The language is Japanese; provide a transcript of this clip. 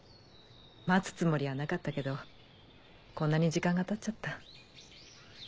待つつもりはなかったけどこんなに時間が経っちゃった。